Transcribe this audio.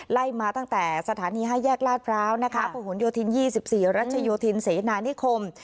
ไล่มาตั้งแต่สถานี๕แยกลาดพร้าวนะคะพระหลโยธิน๒๔รัชโยธินเสนานิคม